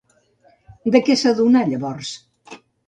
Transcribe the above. De què s'adonà llavors?